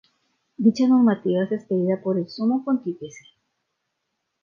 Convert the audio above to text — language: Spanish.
Dicha normatividad es expedida por el Sumo Pontífice.